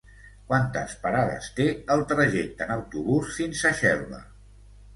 Quantes parades té el trajecte en autobús fins a Xelva?